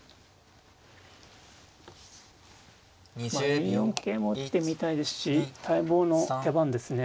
２四桂も打ってみたいですし待望の手番ですね。